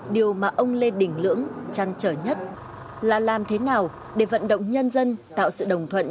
điều mà ông lê đình lưỡng chăn trở nhất là làm thế nào để vận động nhân dân tạo sự đồng thuận